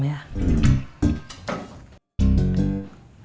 ya sih kan